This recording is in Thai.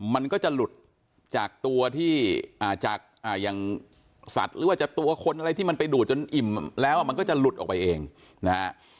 มันก็จะหลุดจากตัวที่จากอย่างสัตว์หรือว่าจะตัวคนอะไรที่มันไปดูดจนอิ่มแล้วมันก็จะหลุดออกไปเองนะฮะ